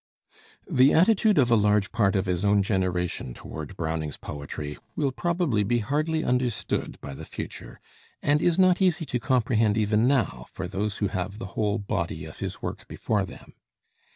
The attitude of a large part of his own generation toward Browning's poetry will probably be hardly understood by the future, and is not easy to comprehend even now for those who have the whole body of his work before them.